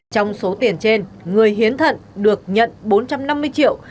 trong số tiền trên người hiến thận được nhận bốn trăm năm mươi triệu